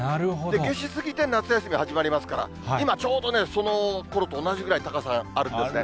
夏至過ぎて、夏休み始まりますから、今ちょうどね、そのころと同じぐらい、高さあるんですね。